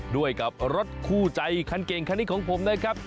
ด้วยกับรถคู่ใจคันเก่งคันนี้ของผมนะครับ